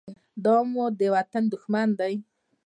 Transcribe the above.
دا مو د وطن دښمن دى.